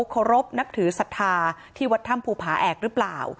เคารพนับถือศรัทธาที่วัดถ้ำภูผาแอกหรือเปล่า